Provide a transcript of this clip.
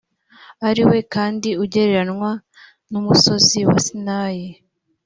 ari we kandi ugereranywa n umusozi wa sinayi